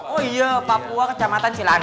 oh iya papua kecamatan cilanda